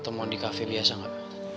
temen di cafe biasa gak